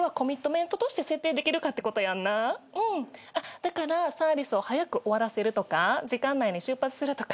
だからサービスを早く終わらせるとか時間内に出発するとか。